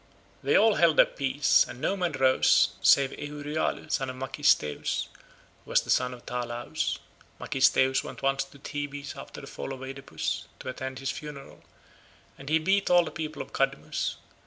They all held their peace, and no man rose save Euryalus son of Mecisteus, who was son of Talaus. Mecisteus went once to Thebes after the fall of Oedipus, to attend his funeral, and he beat all the people of Cadmus.